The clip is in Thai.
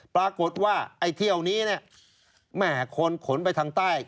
ปรากฏว่าไอ้เที่ยวนี้เนี่ยแม่คนขนไปทางใต้